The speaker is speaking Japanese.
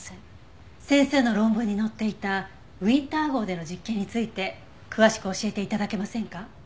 先生の論文に載っていたウィンター号での実験について詳しく教えて頂けませんか？